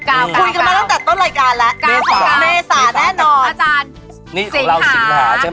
อาจารย์มาเส้นอย่างนี้กันไม่ได้นะ